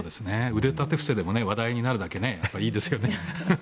腕立て伏せでも話題になるだけいいですよね。